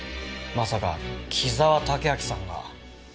まさか紀沢武明さんが？